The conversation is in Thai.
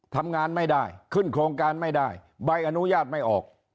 ทำงานไม่ได้ขึ้นโครงการไม่ได้ใบอนุญาตไม่ออก